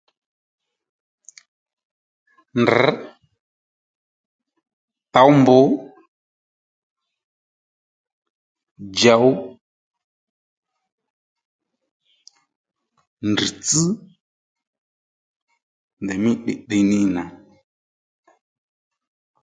Ndrr̀, towmbù, djòw, ndrr̀tsś ndèymí tdiytdiy ní nì nà